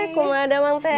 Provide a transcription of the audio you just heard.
kuma damang teeh